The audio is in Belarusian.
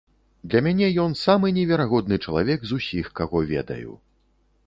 Для мяне ён самы неверагодны чалавек з усіх, каго ведаю.